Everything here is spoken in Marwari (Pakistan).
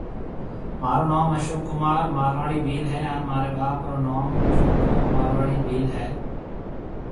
مهارو نوم اشوڪ ڪمار مارواڙي ڀيل هيَ هانَ مهاري ٻاپ رو نوم چهوکهو ماروارڙي ڀيل هيَ۔